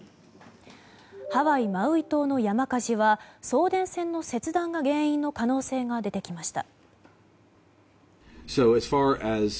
ハワイ・マウイ島の山火事は送電線の切断が原因の可能性が出てきました。